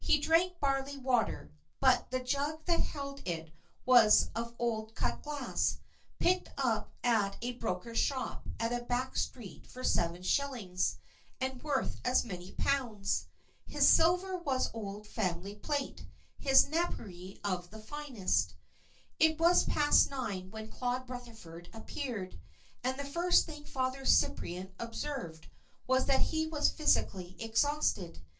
He drank barley water, but the jug that held it was of old cut glass, picked up at a broker's shop in a back street for seven shillings, and worth as many pounds. His silver was old family plate, his napery of the finest. It was past nine when Claude Rutherford appeared, and the first thing Father Cyprian observed was that he was physically exhausted.